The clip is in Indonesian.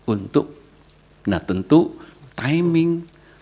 untuk nah tentu timing